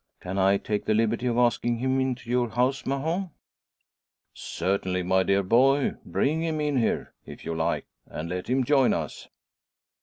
Can I take the liberty of asking him into your house, Mahon?" "Certainly, my dear boy! Bring him in here, if you like, and let him join us."